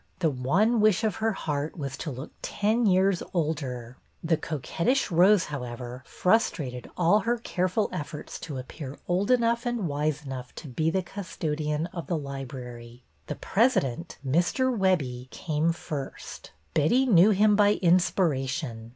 The one wish of her heart was to " look ten years older." The coquettish rose, however, frustrated all her careful efforts to appear old enough and wise enough to be the custodian of the library. The president, Mr. Webbie, came first. Betty knew him by inspiration.